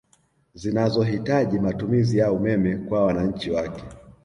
Zinazo hitaji matumizi ya umeme kwa wananchi wake